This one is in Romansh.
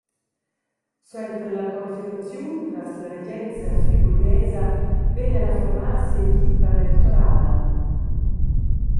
Suenter la confirmaziun tras la regenza friburghesa vegn el a formar sia equipa rectorala.